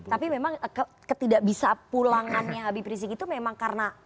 tapi memang ketidak bisa pulangannya habib rizik itu memang karena